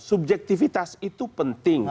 subjektifitas itu penting